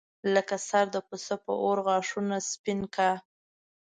لکه سر د پسه په اور غاښونه سپین کا.